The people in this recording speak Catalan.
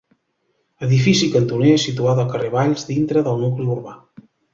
Edifici cantoner situat al carrer Valls, dintre del nucli urbà.